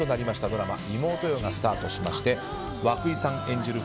ドラマ「妹よ」がスタートしまして和久井さん演じる